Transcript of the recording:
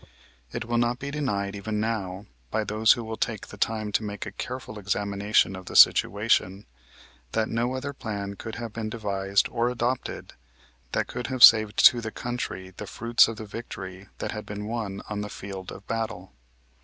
It will not be denied even now by those who will take the time to make a careful examination of the situation, that no other plan could have been devised or adopted that could have saved to the country the fruits of the victory that had been won on the field of battle.